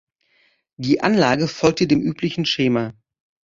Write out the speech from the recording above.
Die Anlage folgte dem üblichen Schema.